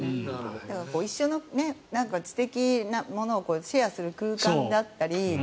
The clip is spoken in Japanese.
一緒の知的なものをシェアする空間であったり